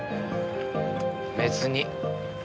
別に。